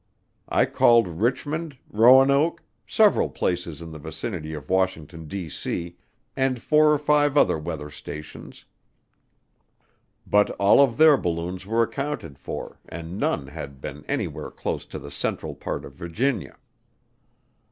I called Richmond, Roanoke, several places in the vicinity of Washington, D.C., and four or five other weather stations, but all of their balloons were accounted for and none had been anywhere close to the central part of Virginia.